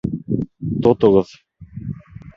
Тотоғоҙ!